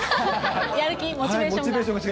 やる気、モチベーションが。